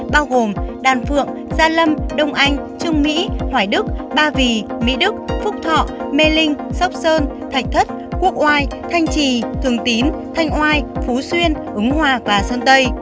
bao gồm đàn phượng gia lâm đông anh trung mỹ hoài đức ba vì mỹ đức phúc thọ mê linh sóc sơn thạch thất quốc oai thanh trì thường tín thanh oai phú xuyên ứng hòa và sơn tây